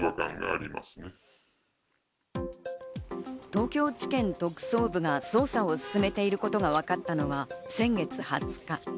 東京地検特捜部が捜査を進めていることがわかったのは先月２０日。